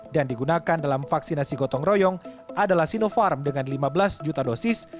dan digunakan dalam vaksinasi gotong royong adalah sinopharm dengan lima belas juta dosis